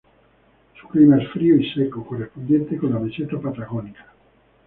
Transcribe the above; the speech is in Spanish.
Su clima es frío y seco, correspondiente con la meseta patagónica.